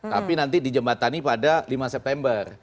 tapi nanti di jembatan nih pada lima september